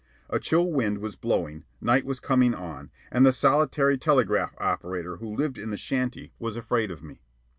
A chill wind was blowing, night was coming on, and the solitary telegraph operator who lived in the shanty was afraid of me.